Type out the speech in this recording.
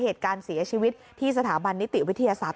เหตุการณ์เสียชีวิตที่สถาบันนิติวิทยาศาสตร์